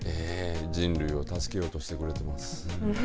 人類を助けようとしてくれてます。